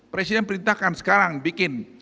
presiden perintahkan sekarang bikin